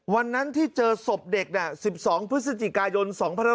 วันนั้นที่เจอศพเด็ก๑๒พฤศจิกายน๒๕๖๖